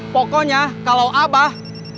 pokoknya kalau abah